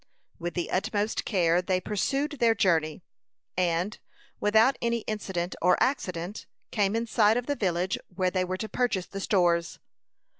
With the utmost care they pursued their journey, and, without any incident or accident, came in sight of the village where they were to purchase the stores.